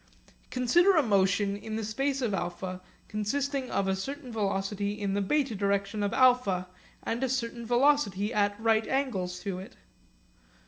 Consider a motion in the space of α consisting of a certain velocity in the β direction of α and a certain velocity at right angles to it.